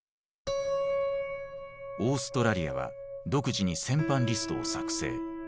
オーストラリアは独自に戦犯リストを作成。